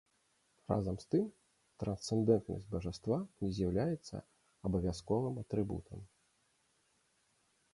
Разам з тым, трансцэндэнтнасць бажаства не з'яўляецца абавязковым атрыбутам.